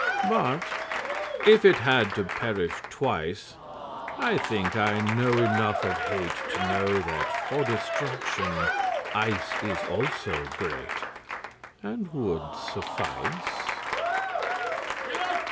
But if it had to perish twice,I think I know enough of hateTo know that for destruction iceIs also greatAnd would suffice.